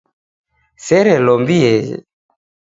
Serelombieghe